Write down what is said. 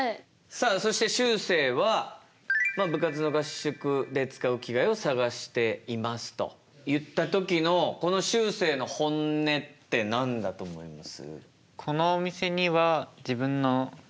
さあそしてしゅうせいは「部活の合宿でつかう着がえをさがしています」と言った時のこのしゅうせいの本音って何だと思います？